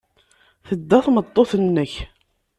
Tedda tmeṭṭut-nnek.